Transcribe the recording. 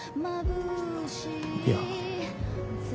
いや。